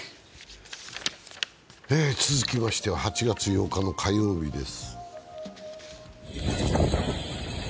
続きましては８月８日の火曜日です。